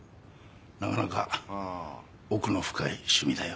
なかなか奥の深い趣味だよ。